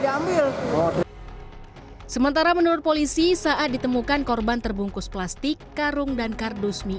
diambil sementara menurut polisi saat ditemukan korban terbungkus plastik karung dan kardus mie